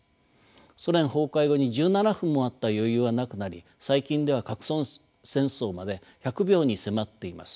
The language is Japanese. ソ連崩壊後に１７分もあった余裕はなくなり最近では核戦争まで１００秒に迫っています。